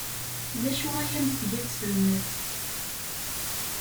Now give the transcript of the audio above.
D acu ay am-tga tselmadt?